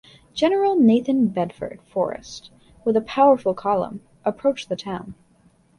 General Nathan Bedford Forrest, with a powerful column, approached the town.